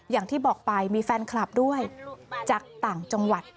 อย่างที่บอกไปมีแฟนคลับด้วยจากต่างจังหวัด